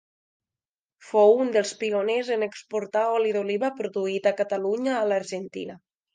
Fou un dels pioners en exportar oli d'oliva produït a Catalunya a l'Argentina.